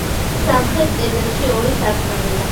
სამხრეთ კედელში ორი სარკმელია.